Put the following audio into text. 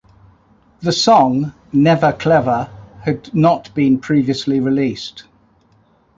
The song "Never Clever" had not been previously released.